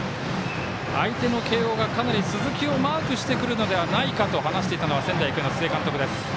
相手の慶応がかなり鈴木をマークしてくるのではないかと話していたのは仙台育英の須江監督です。